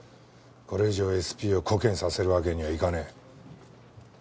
これ以上ＳＰをコケにさせるわけにはいかねえ。